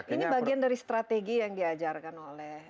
ini bagian dari strategi yang diajarkan oleh